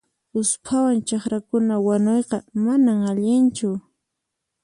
Usphawan chakrakuna wanuyqa manan allinchu.